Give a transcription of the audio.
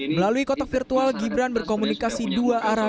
melalui kotak virtual gibran berkomunikasi dua arah